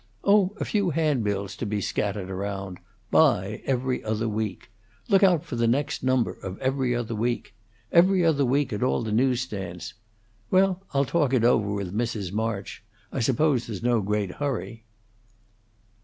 "Oh, a few handbills to be scattered around: 'Buy "Every Other Week",' 'Look out for the next number of "Every Other Week,"' "'Every Other Week' at all the news stands.' Well, I'll talk it over with Mrs. March. I suppose there's no great hurry."